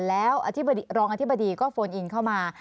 แล้วรองอธิบดีก็โฟนอินเข้ามา